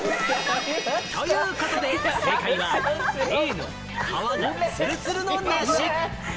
ということで正解は、Ａの皮がツルツルの梨。